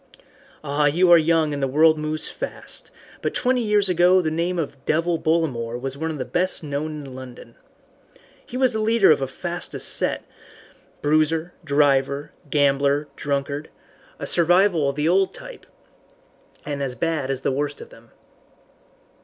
"Ah, you are young and the world moves fast, but twenty years ago the name of 'Devil' Bollamore was one of the best known in London. He was the leader of the fastest set, bruiser, driver, gambler, drunkard a survival of the old type, and as bad as the worst of them."